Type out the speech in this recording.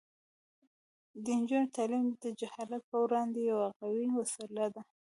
د نجونو تعلیم د جهالت پر وړاندې یوه قوي وسله ده.